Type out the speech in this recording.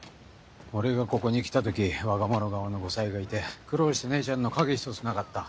俺がここに来た時わが物顔の後妻がいて苦労した姉ちゃんの影ひとつなかった。